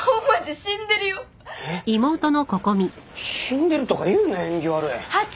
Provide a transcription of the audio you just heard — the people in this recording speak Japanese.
死んでるとか言うなよ縁起悪い。